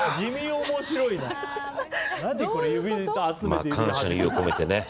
まあ感謝の意を込めてね。